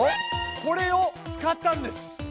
これを使ったんです。